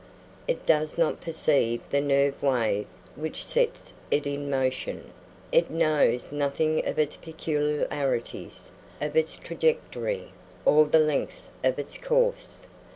It does not perceive the nerve wave which sets it in motion, it knows nothing of its peculiarities, of its trajectory, or the length of its course.